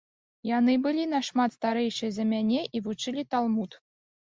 Яны былі нашмат старэйшыя за мяне і вучылі талмуд.